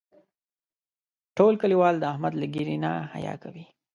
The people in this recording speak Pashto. ټول کلیوال د احمد له ږیرې نه حیا کوي.